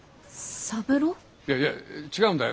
いやいや違うんだよ。